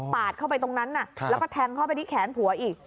เข้าไปตรงนั้นแล้วก็แทงเข้าไปที่แขนผัวอีก